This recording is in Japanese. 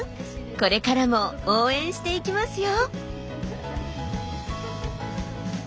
これからも応援していきますよ。